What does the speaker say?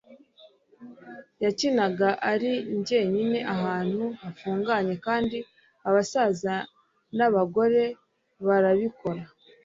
yakinaga ari jyenyine ahantu hafunguye, kandi abasaza nabagore barabikora